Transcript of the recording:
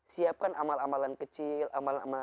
siapkan amal amalan kecil amal amal